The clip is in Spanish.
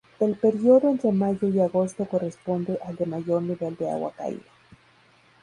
El período entre mayo y agosto corresponde al de mayor nivel de agua caída.